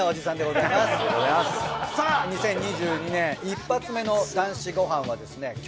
さぁ２０２２年一発目の『男子ごはん』はですね